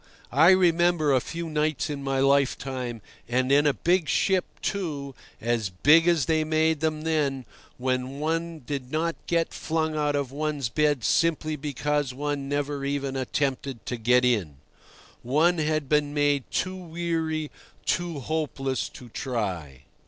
I remember a few nights in my lifetime, and in a big ship, too (as big as they made them then), when one did not get flung out of one's bed simply because one never even attempted to get in; one had been made too weary, too hopeless, to try.